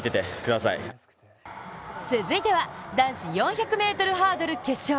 続いては男子４００ｍハードル決勝。